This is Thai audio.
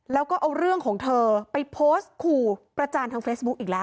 แล้วก็เอาเรื่องของเธอไปโพสต์ขู่ประจานทางเฟซบุ๊คอีกแล้ว